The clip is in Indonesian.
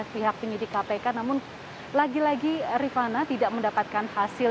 pihak tim ini di kpk namun lagi lagi rifana tidak mendapatkan hasil